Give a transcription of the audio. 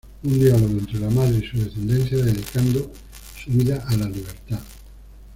Un diálogo entre la madre y su descendencia dedicando su vida a la libertad.